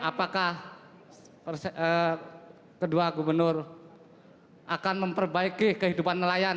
apakah kedua gubernur akan memperbaiki kehidupan nelayan